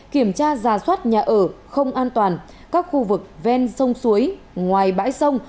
kiểm tra giả soát nhà ở không an toàn các khu vực ven sông suối ngoài bãi sông